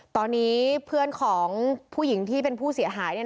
ตอนนี้เพื่อนของผู้หญิงที่เป็นผู้เสียหาย